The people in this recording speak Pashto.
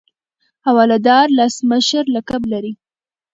حواله دار لس مشر لقب لري.